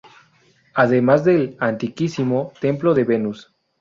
Además del antiquísimo Templo de Venus.